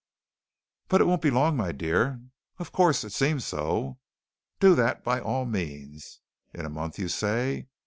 "... but it won't be long, my dear.... Of course, it seems so.... Do that, by all means.... In a month, you say?...